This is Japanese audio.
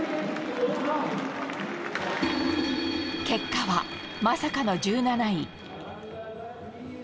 結果は、まさかの１７位。